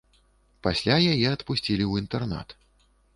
Пасля яе адпусцілі ў інтэрнат.